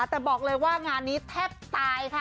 แต่บอกเลยว่างานนี้แทบตายค่ะ